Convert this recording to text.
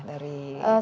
dari komunitas mereka